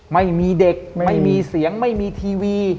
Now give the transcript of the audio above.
ไม่มีเด็กไม่มีเสียงไม่มีทีวี